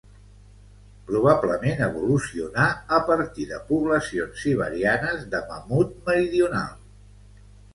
Probablement evolucionà a partir de poblacions siberianes de mamut meridional.